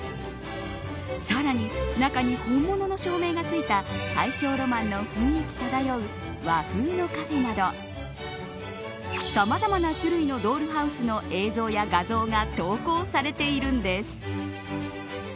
さらに、中に本物の照明がついた大正ロマンの雰囲気漂う和風のカフェなどさまざまな種類のドールハウスの映像や画像が投稿されているんです。